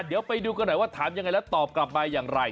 เดี๋ยวไปดูกันหน่อยว่าถามยังไงแล้วตอบกลับมาอย่างไร